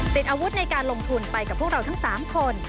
ติดอาวุธในการลงทุนไปกับพวกเราทั้ง๓คน